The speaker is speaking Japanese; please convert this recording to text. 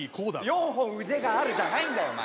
４本腕があるじゃないんだよお前。